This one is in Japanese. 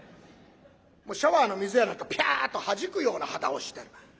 シャワーの水やなんかピャッとはじくような肌をしてる。